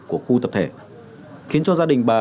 của khu tập thể khiến cho gia đình bà